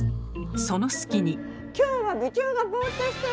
その隙に。